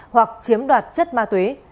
hoặc chiếm đoạt chất ma túy